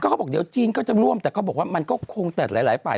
เขาบอกเดี๋ยวจีนก็จะร่วมแต่เขาบอกว่ามันก็คงแต่หลายฝ่าย